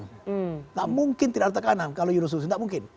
tidak mungkin tidak ada tekanan kalau yunus usus tidak mungkin